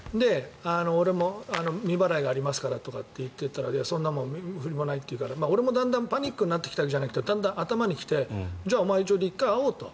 俺も未払いがありますからとかって言ってたらいや、そんなもんないっていうから僕もだんだんパニックになってきたわけじゃないけどだんだん頭に来てじゃあ、お前１回会おうと。